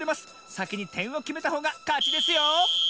さきにてんをきめたほうがかちですよ！